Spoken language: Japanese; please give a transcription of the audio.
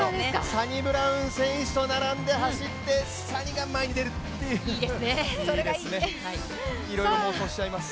サニブラウン選手と並んで走ってサニが前に出るという、いいですねいろいろ妄想しちゃいます。